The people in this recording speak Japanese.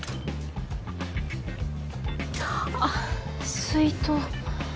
あっ水筒。